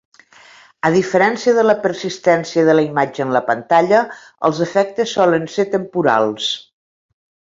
A diferència de la persistència de la imatge en la pantalla, els efectes solen ser temporals.